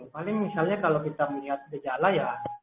paling misalnya kalau kita melihat gejala ya